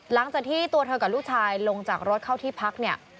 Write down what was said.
หลังจากที่ตัวเธอกับลูกชายลงจากรถเข้าที่พักเนี่ย